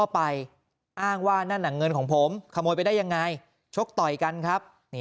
อ้างว่านั่นน่ะเงินของผมขโมยไปได้ยังไงชกต่อยกันครับ